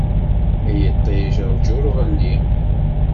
Ay iṭij ṛğu ur ɣelli.